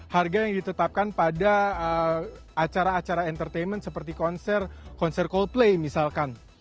harga yang ditetapkan pada acara acara entertainment seperti konser coldplay misalkan